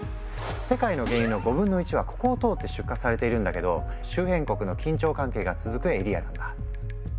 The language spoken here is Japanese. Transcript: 世界の原油の５分の１はここを通って出荷されているんだけど周辺国の緊張関係が続くエリアなんだ。